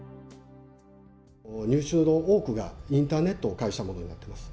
入手の多くがインターネットを介したものになっています。